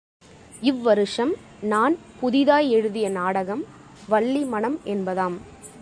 இவ் வருஷம் நான் புதிதாய் எழுதிய நாடகம் வள்ளி மணம் என்பதாம்.